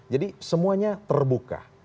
jadi semuanya terbuka